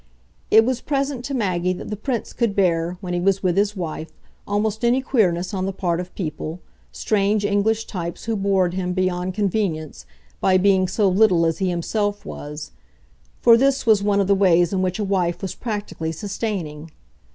It was present to Maggie that the Prince could bear, when he was with his wife, almost any queerness on the part of people, strange English types, who bored him, beyond convenience, by being so little as he himself was; for this was one of the ways in which a wife was practically sustaining.